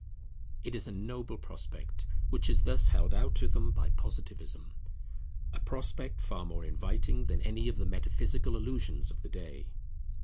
It is a noble prospect which is thus held out to them by Positivism, a prospect far more inviting than any of the metaphysical illusions of the day.